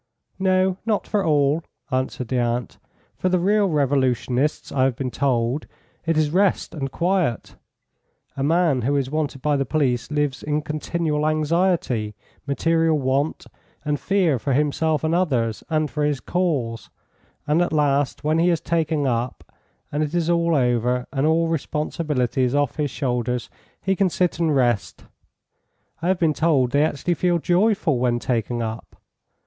"No, not for all," answered the aunt. "For the real revolutionists, I have been told, it is rest and quiet. A man who is wanted by the police lives in continual anxiety, material want, and fear for himself and others, and for his cause, and at last, when he is taken up and it is all over, and all responsibility is off his shoulders, he can sit and rest. I have been told they actually feel joyful when taken up.